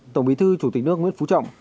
tổng bí thư chủ tịch nước nguyễn phú trọng